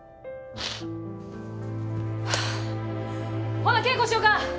ほな稽古しよか！